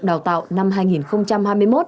đào tạo năm hai nghìn hai mươi một